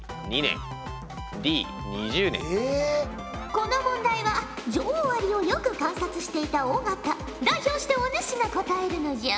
この問題は女王アリをよく観察していた尾形代表してお主が答えるのじゃ！